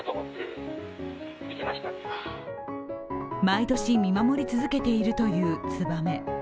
毎年、見守り続けているというつばめ。